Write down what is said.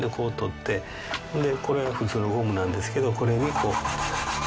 でこれは普通のゴムなんですけどこれにこう。